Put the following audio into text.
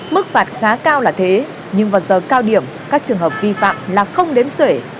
mức phạt khá cao là thế nhưng vào giờ cao điểm các trường hợp vi phạm là không đếm xuể